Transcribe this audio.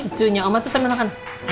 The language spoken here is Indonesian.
cucunya oma tuh sambil makan